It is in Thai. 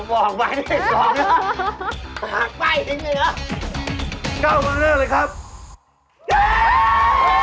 บอกไปถึงเหนือ